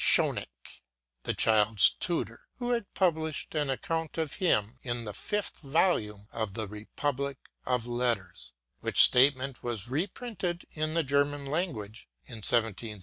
Schcenich, the child's tutor, who had pub lished an account of him in the fifth volume of the " Republic of Letters," which statement was republished in the German language in 1778 or 1779.